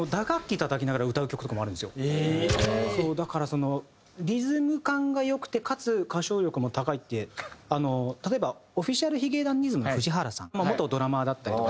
だからリズム感が良くてかつ歌唱力も高いって例えばＯｆｆｉｃｉａｌ髭男ｄｉｓｍの藤原さんも元ドラマーだったりとか。